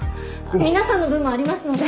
皆さんの分もありますので。